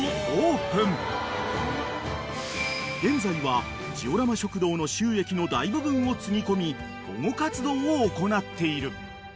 ［現在はジオラマ食堂の収益の大部分をつぎ込み保護活動を行っている］